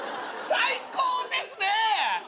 最高ですね。